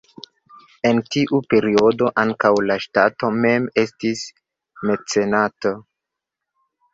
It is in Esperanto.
En tiu periodo ankaŭ la ŝtato mem estis mecenato.